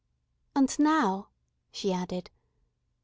"And now," she added.